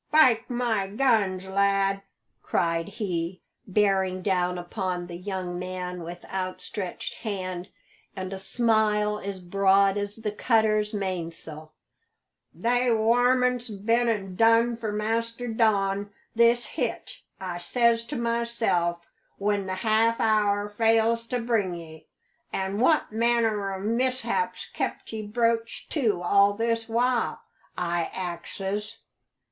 "Spike my guns, lad!" cried he, bearing down upon the young man with outstretched hand and a smile as broad as the cutter's mainsail, "they warmints's been an' done for Master Don this hitch, I says to myself when the half hour fails to bring ye. An' what manner o' mishap's kept ye broached to all this while? I axes."